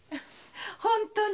本当に。